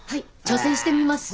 挑戦してみます。